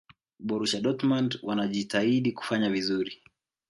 borusia dortmund wanajitahidi kufanya vizuri